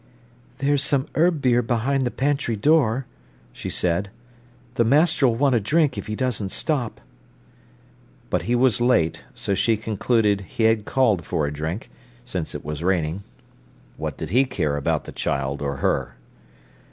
"There's some herb beer behind the pantry door," she said. "Th' master'll want a drink, if he doesn't stop." But he was late, so she concluded he had called for a drink, since it was raining. What did he care about the child or her?